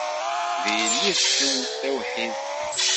D yelli-tsen tawḥidt.